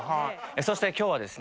そして今日はですね